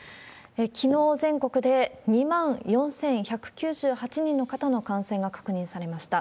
きのう、全国で２万４１９８人の方の感染が確認されました。